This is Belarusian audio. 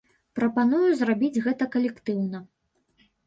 Прапаную зрабіць гэта калектыўна.